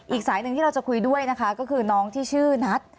อีกสายหนึ่งที่เราจะคุยด้วยนะคะก็คือน้องที่ชื่อนัท